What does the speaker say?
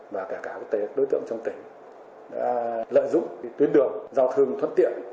và cả các đối tượng trong tỉnh đã lợi dụng tuyến đường giao thương thuận tiện trên đoàn tỉnh